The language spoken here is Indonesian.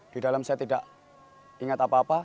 di dalam saya tidak ingat apa apa